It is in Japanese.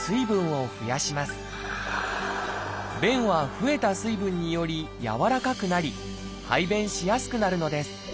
便は増えた水分によりやわらかくなり排便しやすくなるのです。